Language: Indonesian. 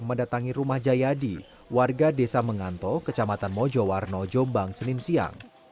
mendatangi rumah jayadi warga desa mengantok kecamatan mojo warno jombang senin siang